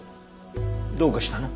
どうかしたの？